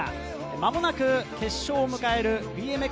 間もなく決勝を迎えるＢＭＸ